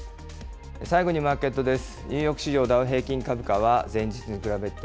最後にマーケットです。